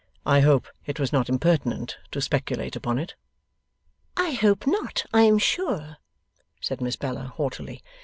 I hope it was not impertinent to speculate upon it?' 'I hope not, I am sure,' said Miss Bella, haughtily.